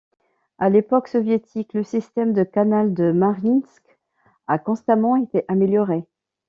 À l'époque soviétique, le système de canal de Mariinsk a constamment été amélioré.